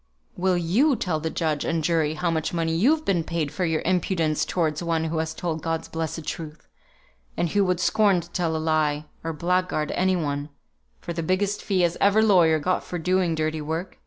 "Will you tell the judge and jury how much money you've been paid for your impudence towards one who has told God's blessed truth, and who would scorn to tell a lie, or blackguard any one, for the biggest fee as ever lawyer got for doing dirty work?